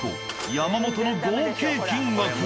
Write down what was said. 山本の合計金額は？